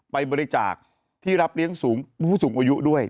ไปบริจาคที่รับเลี้ยงสูงผู้สูงอายุด้วย